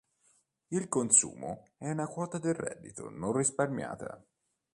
Il consumo è la quota del reddito non risparmiata.